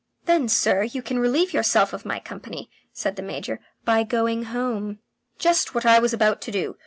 "Then, sir, you can relieve yourself of my company," said the Major, "by going home." "Just what I was about to do.